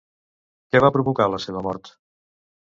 Què va provocar la seva mort?